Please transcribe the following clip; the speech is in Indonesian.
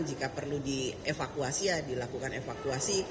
jika perlu dievakuasi ya dilakukan evakuasi